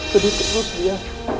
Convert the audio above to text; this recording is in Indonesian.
sedih terus dia